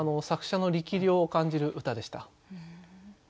作者の力量を感じる歌でした。